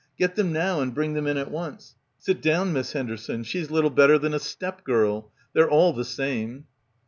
Get them now and bring them in at once. Sit down, Miss Henderson. She's little better than a step girl. They're all the same."